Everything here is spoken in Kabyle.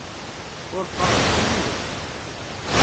Ur qqaremt i yiwen!